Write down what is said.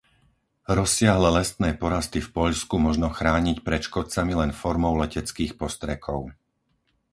Rozsiahle lesné porasty v Poľsku možno chrániť pred škodcami len formou leteckých postrekov.